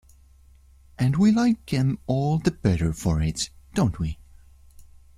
And we like 'em all the better for it, don't we?